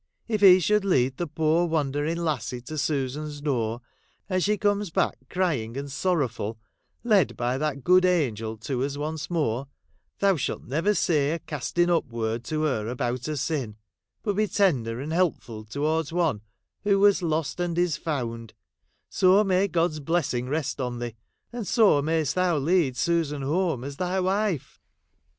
If He should lead the poor wandering lassie to Susan's door, and she comes back crying and sorrowful, led by that good angel to us once more, thou shalt never say a casting up word to her about her sin, but be tender and helpful towards one " who was lost and is found," so may God's blessing rest on thee, and so mayst thou lead Susan home as thy wife.'